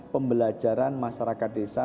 pembelajaran masyarakat desa